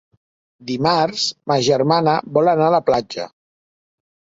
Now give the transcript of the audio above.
Dimarts ma germana vol anar a la platja.